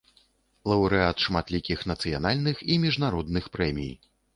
Лаўрэат шматлікіх нацыянальных і міжнародных прэмій.